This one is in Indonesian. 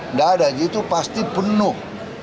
nggak ada gitu pasti penuh